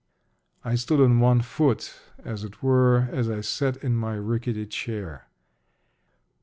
I stood on one foot, as it were, as I sat in my rickety chair.